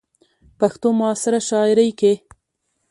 ،پښتو معاصره شاعرۍ کې